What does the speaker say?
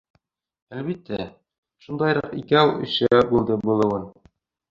Әлбиттә, шундайыраҡ икәү-өсәү булды булыуын.